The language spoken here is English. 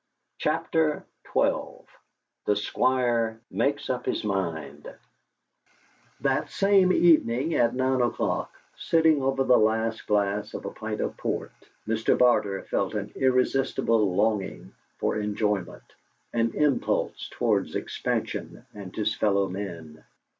CHAPTER XII THE SQUIRE MAKES UP HIS MIND That same evening at nine o'clock, sitting over the last glass of a pint of port, Mr. Barter felt an irresistible longing for enjoyment, an impulse towards expansion and his fellow men.